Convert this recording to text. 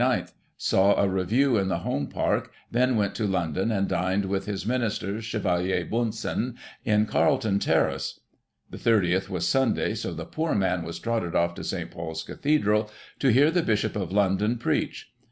— Saw a review in the Home Park, then went to London, and dined with his Minister, Chevalier Bunsen, in Carlton Terrace. The 30th was Sunday, so the poor man was trotted off to St. Paul's Cathedral to hear the Bishop of London preach.